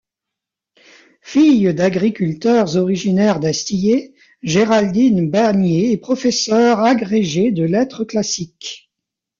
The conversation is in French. Fille d'agriculteurs originaires d'Astillé, Géraldine Bannier est professeur agrégée de lettres classiques.